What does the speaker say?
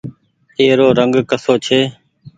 ايرو رنگ ڪسو ڇي۔